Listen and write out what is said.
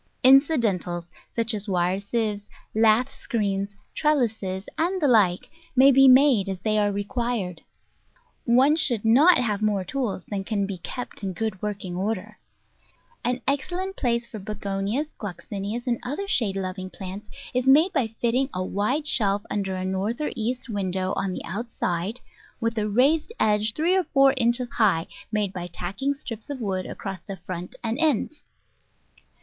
Incidentals, such as wire sieves, lath screens, trellises, and the like, may be made as they are required. One should not have more tools than can be kept in good working order. An excellent place for Begonias, Gloxinias, and other shade loving plants is made by fitting a wide MS Digitized by Google 246 The Flower Garden [Chapter shelf under a north or east window on the outside, with a raised edge three or four inches high, made by tacking strips of wood across the front and ends.